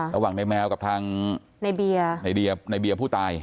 ระหว่างไม้แมวกับทางไหม่ดียะผู้ตาย